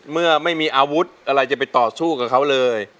เมื่อไม่มีอาวุธอะไรจะไปต่อสู้กับเขาเลย